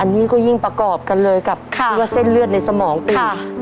อันนี้ก็ยิ่งประกอบกันเลยกับว่าเส้นเลือดในสมองตี